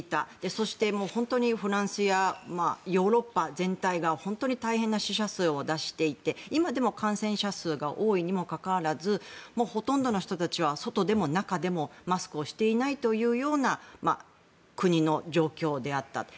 そしてフランスやヨーロッパ全体が本当に大変な死者数を出していて今でも感染者数が多いにもかかわらずほとんどの人たちは外でも中でもマスクをしていないというような国の状況であったと。